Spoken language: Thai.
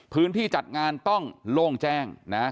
พื้นที่จัดงานต้องโล่งแจ้งนะ